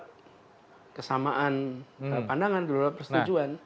belum dapat kesamaan pandangan belum dapat persetujuan